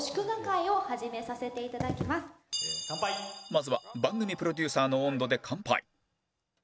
まずは番組プロデューサーの音頭で乾杯